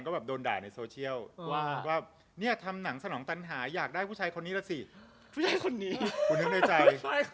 เขานึกว่าสนองตันหาวคงอยากได้ผู้ชายแบบนี้